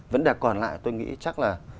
vấn đề còn lại tôi nghĩ chắc là